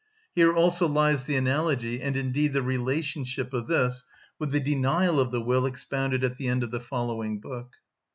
Here also lies the analogy and, indeed, the relationship of this with the denial of the will expounded at the end of the following book.